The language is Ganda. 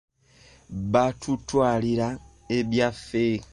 Baatutwalira ebyaffe.